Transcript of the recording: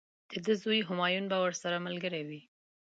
د ده زوی همایون به ورسره ملګری وي.